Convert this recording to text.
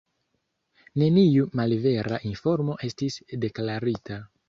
Neniu malvera informo estis deklarita.